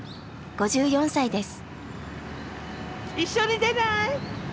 ５４歳です。